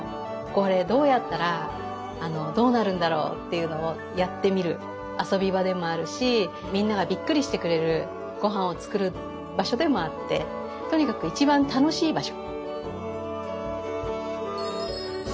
これどうやったらどうなるんだろうっていうのをやってみる遊び場でもあるしみんながびっくりしてくれるごはんを作る場所でもあってとにかく一番楽しい場所。